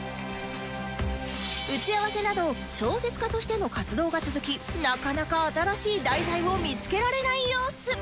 打ち合わせなど小説家としての活動が続きなかなか新しい題材を見つけられない様子